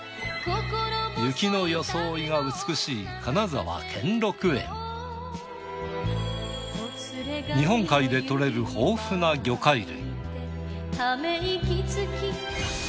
雪の装いが美しい日本海でとれる豊富な魚介類。